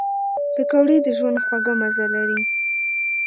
پکورې د ژوند خوږ مزه لري